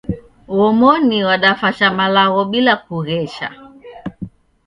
Uomoni wadafasha malagho bila kughesha